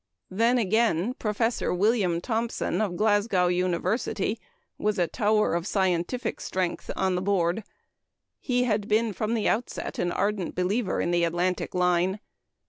Then, again, Prof. William Thomson, of Glasgow University, was a tower of scientific strength on the Board. He had been from the outset an ardent believer in the Atlantic line.